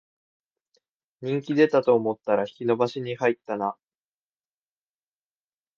人気出たと思ったら引き延ばしに入ったな